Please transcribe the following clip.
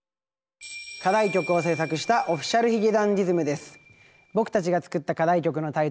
課題曲を制作したＯｆｆｉｃｉａｌ髭男ｄｉｓｍです。